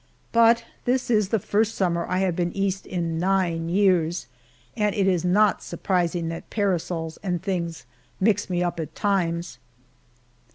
But this is the first summer I have been East in nine years, and it is not surprising that parasols and things mix me up at times.